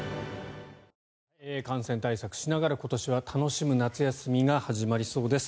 感染対策しながら今年は楽しむ夏休みが始まりそうです。